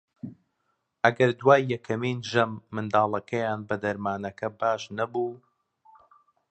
ئەگەر دوای یەکەمین ژەم منداڵەکەیان بە دەرمانەکە باش نەبوو